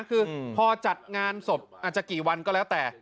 คือพอจัดงานศพอาจจะกี่วันก็แล้วแต่